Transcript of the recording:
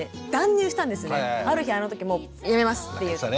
ある日あの時もうやめますって言って。